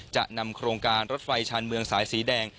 จะนำโครงการรถไฟชาญเมืองสายสีแดง